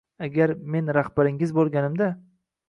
-Agar men rahbaringiz bo’lganimda…